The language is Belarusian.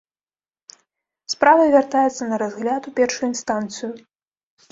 Справа вяртаецца на разгляд у першую інстанцыю.